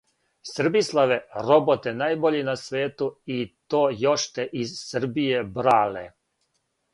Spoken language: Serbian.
Србиславе, роботе најбољи на свету, и то јоште из Србије брале!